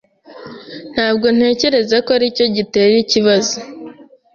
Ntabwo ntekereza ko aricyo gitera ikibazo.